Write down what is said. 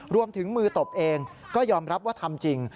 รวมถึงมือตบเองก็ยอมรับว่าทำจริง